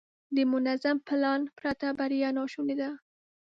د منظم پلان پرته بریا ناشونې ده.